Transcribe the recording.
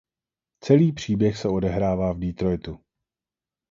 Celý příběh se odehrává v Detroitu.